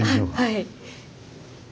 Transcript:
はい。